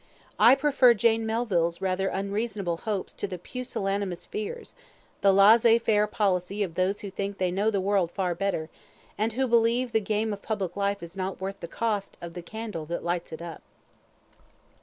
I prefer Jane Melville's rather unreasonable hopes to the pusillanimous fears the LASSEZ FAIRE policy of those who think they know the world far better, and who believe the game of public life is not worth the cost of the candle that lights it up.